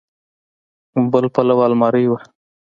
بل پلو المارۍ وه.